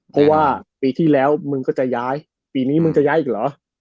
เพราะว่าปีที่แล้วมึงก็จะย้ายปีนี้มึงจะย้ายอีกเหรอ